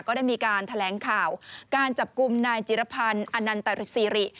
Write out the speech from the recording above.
ก็ได้มีการแถลงข่าวการจับกลุ่มนายจิรพันธ์อนันตรสิริ